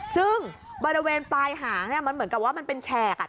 ซึ่งบริเวณปลายหางมันเหมือนกับว่ามันเป็นแฉก